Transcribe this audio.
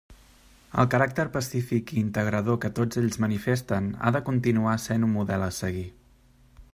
El caràcter pacífic i integrador que tots ells manifesten ha de continuar sent un model a seguir.